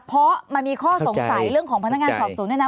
เพราะมันมีข้อสงสัยเรื่องของพนักงานสอบสวนด้วยนะ